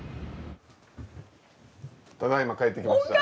ただいま帰ってきました。